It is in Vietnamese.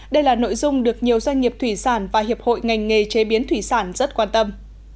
đây là nội dung được nhiều doanh nghiệp thủy sản và hiệp hội ngành nghề chế biến thủy sản rất quan tâm